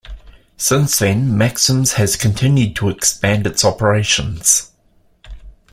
Since then, Maxim's has continued to expand its operations.